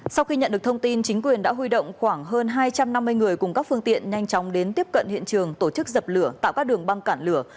sau khi nhận được thông tin chính quyền đã huy động khoảng hơn hai trăm năm mươi người cùng các phương tiện nhanh chóng đến tiếp cận hiện trường tổ chức dập lửa tạo các đường băng cản lửa